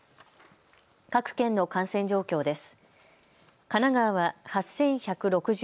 各県の感染状況です。